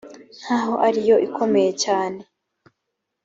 nk aho ari yo ikomeye cyane